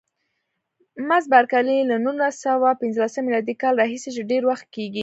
مس بارکلي: له نولس سوه پنځلسم میلادي کال راهیسې چې ډېر وخت کېږي.